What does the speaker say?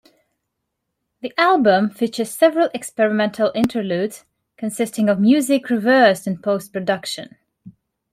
The album features several experimental interludes, consisting of music reversed in post-production.